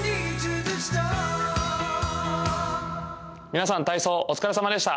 皆さん、体操、お疲れさまでした。